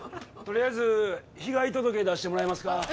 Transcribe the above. とりあえず被害届出してもらえますか？